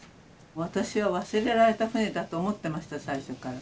私は忘れられた船だと思ってました最初から。